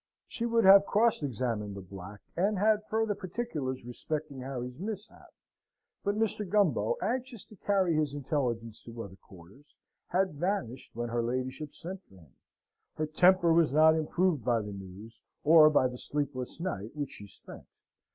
She would have cross examined the black, and had further particulars respecting Harry's mishap; but Mr. Gumbo, anxious to carry his intelligence to other quarters, had vanished when her ladyship sent for him. Her temper was not improved by the news, or by the sleepless night which she spent.